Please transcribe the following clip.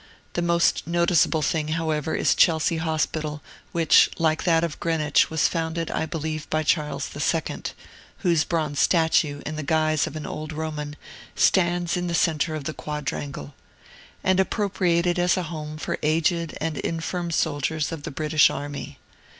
The most noticeable thing, however, is Chelsea Hospital, which, like that of Greenwich, was founded, I believe, by Charles II. (whose bronze statue, in the guise of an old Roman, stands in the centre of the quadrangle,) and appropriated as a home for aged and infirm soldiers of the British army.